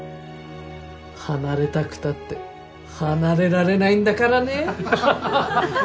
離れたくたって離れられないんだからね。